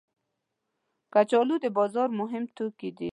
کچالو د بازار مهم توکي دي